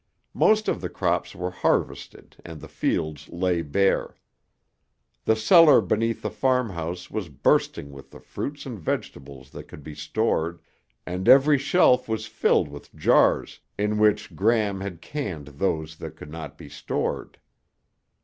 Most of the crops were harvested and the fields lay bare. The cellar beneath the farmhouse was bursting with the fruits and vegetables that could be stored, and every shelf was filled with jars in which Gram had canned those that could not be stored.